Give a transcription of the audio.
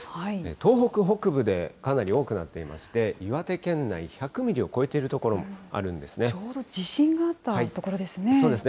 東北北部でかなり多くなっていまして、岩手県内１００ミリを超えている所もあるんですね。